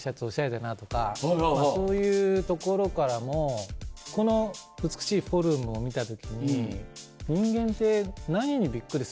そういうところからもこの美しいフォームを見た時に。